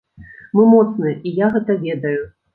Мы моцныя, і я гэта ведаю.